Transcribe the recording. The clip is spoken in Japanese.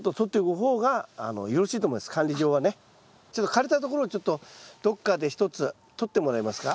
枯れたところをちょっとどこかで一つ取ってもらえますか？